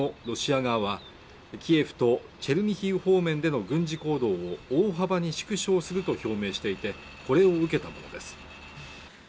ロシア側はキエフとチェルニヒウ方面での軍事行動を大幅に縮小すると表明していてこれを受けたものです